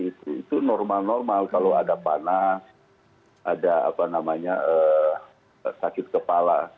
itu normal normal kalau ada panas ada sakit kepala